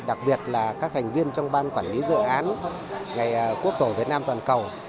đặc biệt là các thành viên trong ban quản lý dự án ngày quốc tổ việt nam toàn cầu